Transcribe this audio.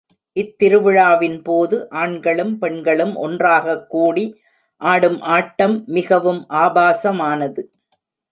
இத் திருவிழாவின் போது, ஆண்களும் பெண்களும் ஒன்றாகக் கூடி ஆடும் ஆட்டம் மிகவும் ஆபாசமானது.